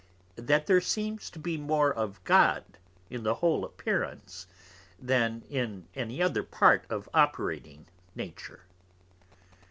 _ That there seems to be more of God in the whole Appearance, than in any other Part of Operating Nature.